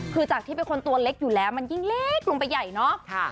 คือจากที่เป็นคนตัวเล็กอยู่แล้วมันยิ่งเล็กลงไปใหญ่เนาะ